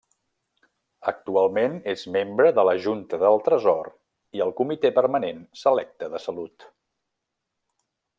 Actualment és membre de la Junta del Tresor i el Comitè Permanent Selecte de Salut.